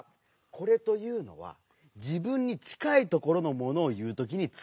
「これ」というのはじぶんにちかいところのものをいうときにつかうんだ。